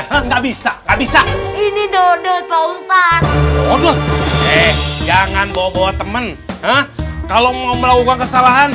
kan nggak bisa bisa ini dodot pak ustadz jangan bawa bawa temen kalau mau melakukan kesalahan